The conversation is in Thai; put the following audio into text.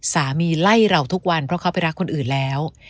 สามีไล่เราทุกวันเพราะเขาไปรักคนอื่นแล้ว